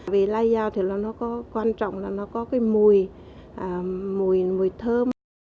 vì lá dao thì nó có quan trọng là nó có cái mùi mùi thơm